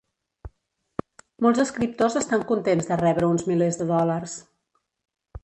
Molts escriptors estan contents de rebre uns milers de dòlars.